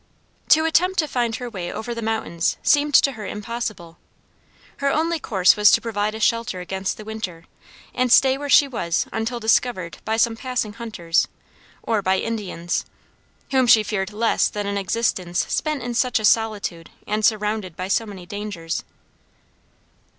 To attempt to find her way over the mountains seemed to her impossible. Her only course was to provide a shelter against the winter, and stay where she was until discovered by some passing hunters, or by Indians, whom she feared less than an existence spent in such a solitude and surrounded by so many dangers.